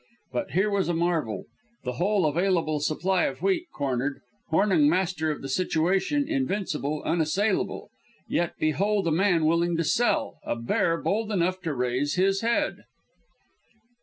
But here was a marvel the whole available supply of wheat cornered, Hornung master of the situation, invincible, unassailable; yet behold a man willing to sell, a Bear bold enough to raise his head.